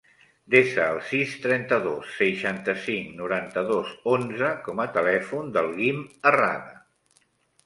Desa el sis, trenta-dos, seixanta-cinc, noranta-dos, onze com a telèfon del Guim Herrada.